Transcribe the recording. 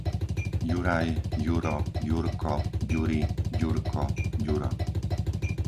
Juraj, Juro, Jurko, Ďuri, Ďurko, Ďuro